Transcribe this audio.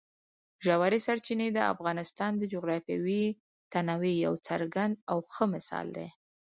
ژورې سرچینې د افغانستان د جغرافیوي تنوع یو څرګند او ښه مثال دی.